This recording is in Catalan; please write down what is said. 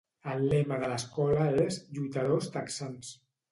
El lema de l'escola és "Lluitadors Texans"